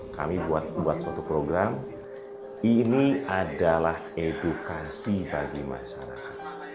kami buat suatu program ini adalah edukasi bagi masyarakat